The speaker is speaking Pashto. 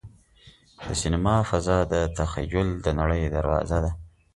د سینما فضا د تخیل د نړۍ دروازه ده.